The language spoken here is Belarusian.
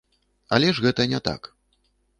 Але ж гэта не так.